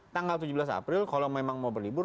tanggal tujuh belas april kalau memang mau berlibur